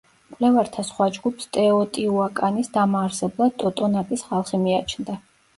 მკვლევართა სხვა ჯგუფს ტეოტიუაკანის დამაარსებლად ტოტონაკის ხალხი მიაჩნდა.